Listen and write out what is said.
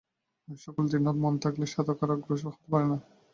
ঐ-সকলে দিনরাত মন থাকলে সাধক আর অগ্রসর হতে পারে না।